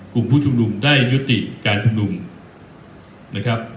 กลุ่มผู้ชุมนุมได้ยุดการการทำ